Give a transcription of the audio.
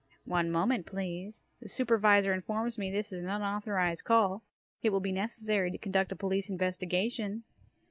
"One moment, please. The Supervisor informs me this is an unauthorized call. It will be necessary to conduct a police investigation."